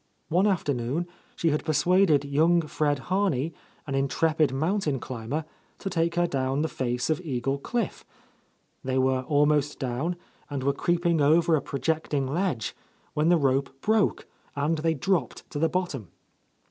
One afternoon she had persuaded young Fred Harney, an intrepid moun tain climber, to take her down the face of Eagle — 164 — A Lost Lady Cliff. They were almost down, and were creep ing over a projecting ledge, when the rope broke, and they dropped to the bottom.